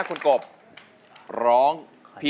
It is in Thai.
โทษให้